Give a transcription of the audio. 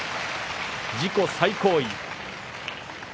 自己最高位。